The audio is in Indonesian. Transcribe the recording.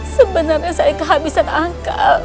sebenarnya saya kehabisan angka